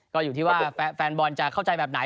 ก็อยู่ที่ว่าแฟนบอลจะเข้าใจแบบไหน